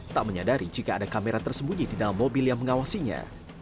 tak menyadari jika ada kamera tersembunyi di dalam mobil yang mengawasinya